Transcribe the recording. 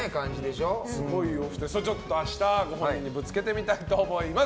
明日、ご本人にぶつけてみたいと思います。